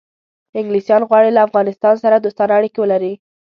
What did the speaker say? انګلیسان غواړي له افغانستان سره دوستانه اړیکې ولري.